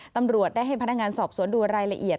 ตำรวจได้ให้พนักงานสอบสวนดูรายละเอียด